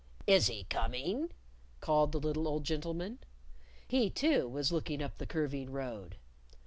"Is he coming?" called the little old gentleman. He, too, was looking up the curving road.